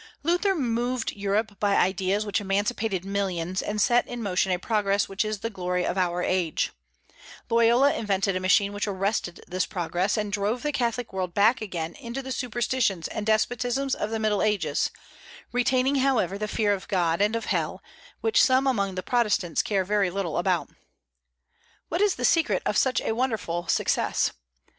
Luther moved Europe by ideas which emancipated the millions, and set in motion a progress which is the glory of our age; Loyola invented a machine which arrested this progress, and drove the Catholic world back again into the superstitions and despotisms of the Middle Ages, retaining however the fear of God and of Hell, which some among the Protestants care very little about. What is the secret of such a wonderful success?